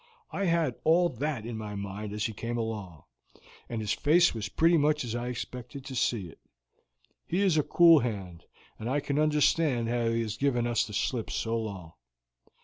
I had all that in my mind as he came along, and his face was pretty much as I expected to see it. He is a cool hand, and I can understand how he has given us the slip so long.